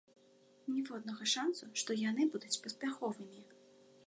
Ніводнага шанцу, што яны будуць паспяховымі!